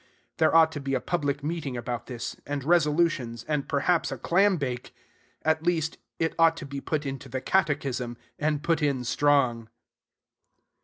There ought to be a public meeting about this, and resolutions, and perhaps a clambake. At least, it ought to be put into the catechism, and put in strong.